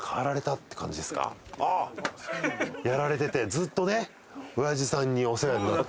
ずっとね親父さんにお世話になって。